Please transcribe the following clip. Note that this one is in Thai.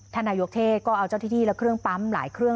ท่านนายกเทศก็เอาเจ้าที่นี่และเครื่องปั๊มหลายเครื่อง